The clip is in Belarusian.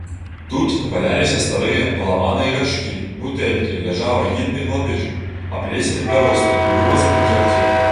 Тут валяліся старыя, паламаныя гаршкі, бутэлькі, ляжаў агідны гладыш, аплецены бяростай і вымазаны дзёгцем.